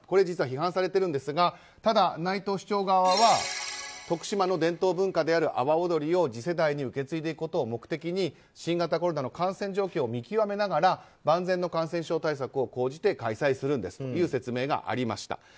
実は、批判されているんですがただ、内藤市長側は徳島の伝統文化である阿波おどりを次世代に受け継いでいくことを目的に新型コロナの感染状況を見極めながら万全の感染症対策を講じて開催するんですという説明がありました。